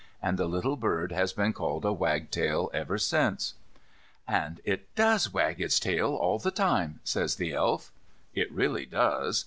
And the little bird has been called a wagtail ever since. "And it does wag its tail all the time," says the Elf. It really does.